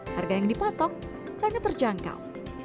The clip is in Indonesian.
harga yang dipatok sangat terjangkau